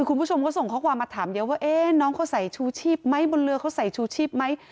คุณผู้ชมก็ส่งข้อความมาถามเยอะว่าน้องเขาใส่ชูชีพไหมบนเรือเขาใส่ชูชีพไหม